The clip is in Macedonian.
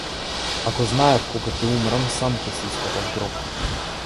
Ако знаев кога ќе умрам, сам ќе си ископав гроб.